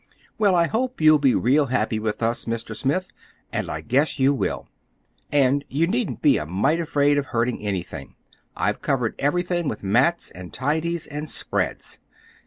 Well, I hope you'll be real happy with us, Mr. Smith, and I guess you will. And you needn't be a mite afraid of hurting anything. I've covered everything with mats and tidies and spreads."